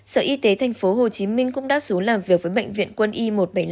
sở y tế tp hcm cũng đã xuống làm việc với bệnh viện quân y một trăm bảy mươi năm